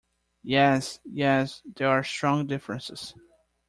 Yes, yes, there are strong differences.